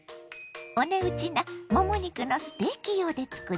お値打ちなもも肉のステーキ用でつくります。